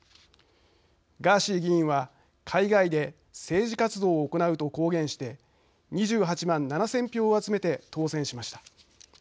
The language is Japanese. ガーシー議員は海外で政治活動を行うと公言して２８万７０００票を集めて当選しました。